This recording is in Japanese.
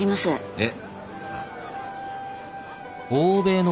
えっ？